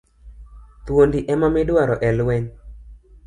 Thuondi e midwaro e lweny.